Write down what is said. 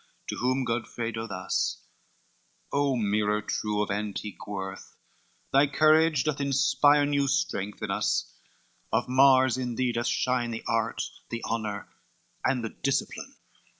To whom Godfredo thus; "O mirror true Of antique worth! thy courage doth inspire New strength in us, of Mars in thee doth shine The art, the honor and the discipline.